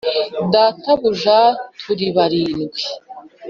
“databuja! turi barindwi. ”